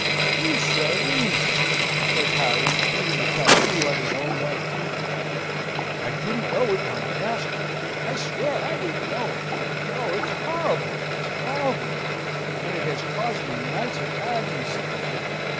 "These, sir, these!" says Harry, beating a tattoo on his own white teeth. "I didn't know it when I asked her. I swear I didn't know it. Oh, it's horrible it's horrible! and it has caused me nights of agony, Sampson.